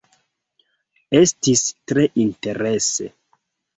Estis tre interese